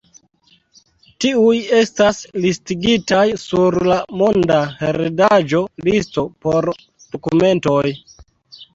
Tiuj estas listigitaj sur la monda heredaĵo-listo por dokumentoj.